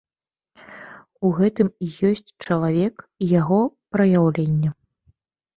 У гэтым і ёсць чалавек і яго праяўленне.